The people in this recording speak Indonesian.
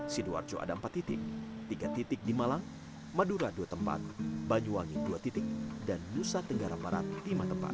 sidoarjo ada empat titik tiga titik di malang madura dua tempat banyuwangi dua titik dan nusa tenggara barat lima tempat